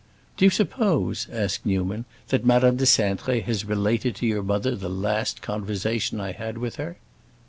"Do you suppose," asked Newman, "that Madame de Cintré has related to your mother the last conversation I had with her?"